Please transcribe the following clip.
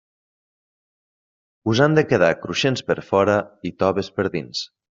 Us han de quedar cruixents per fora i toves per dins.